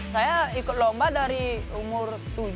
saya ikut lomba dari umur tujuh